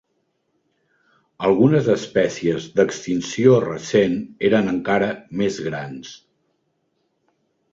Algunes espècies d'extinció recent eren encara més grans.